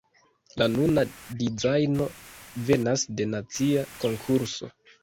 La nuna dizajno venas de nacia konkurso.